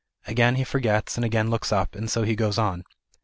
Again he forgets and again looks up, and so he goes on.